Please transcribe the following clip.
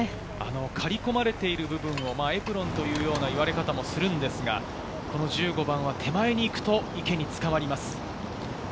刈り込まれている部分をエプロンというような言われ方もするんですが、１５番は手前に行くと池につかまります。